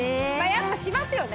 やっぱしますよね！